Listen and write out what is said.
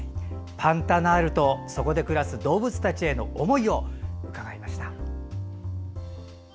パンタナールとそこで暮らす動物たちへの思いを伺いました。